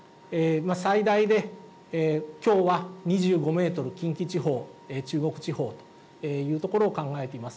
最大できょうは２５メートル、近畿地方、中国地方、いうところを考えています。